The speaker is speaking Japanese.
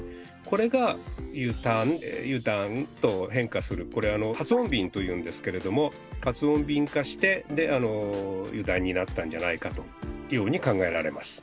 これが「ゆたん」「ゆだん」と変化するこれはつ音便というんですけれどもはつ音便化してで「油断」になったんじゃないかというように考えられます。